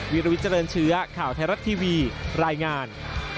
วิลวิเจริญเชื้อข่าวไทยรัฐทีวีรายงาน